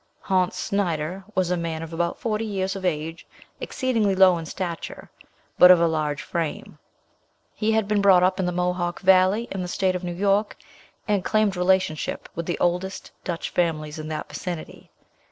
Hontz Snyder was a man of about forty years of age, exceedingly low in stature, but of a large frame. He had been brought up in the Mohawk Valley, in the state of New York, and claimed relationship with the oldest Dutch families in that vicinity.